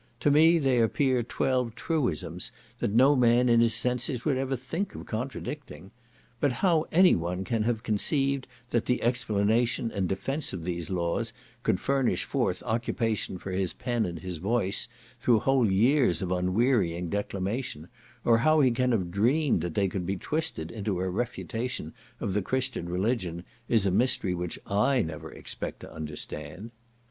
To me they appear twelve truisms, that no man in his senses would ever think of contradicting; but how any one can have conceived that the explanation and defence of these laws could furnish forth occupation for his pen and his voice, through whole years of unwearying declamation, or how he can have dreamed that they could be twisted into a refutation of the Christian religion, is a mystery which I never expect to understand.